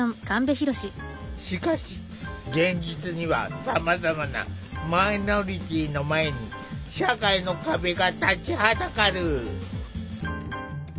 しかし現実にはさまざまなマイノリティーの前に社会の壁が立ちはだかる。